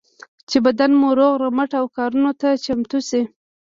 چې بدن مو روغ رمټ او کارونو ته چمتو شي.